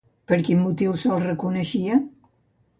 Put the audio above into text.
Per quin motiu se'l reconeixia?